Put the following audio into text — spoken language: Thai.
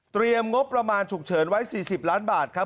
เตรียมงบประมาณฉุกเฉินไว้สี่สิบล้านบาทครับ